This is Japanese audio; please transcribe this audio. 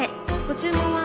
ご注文は？